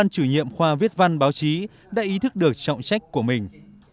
tổng khoa viết văn báo chí đã ý thức được trọng trách của mình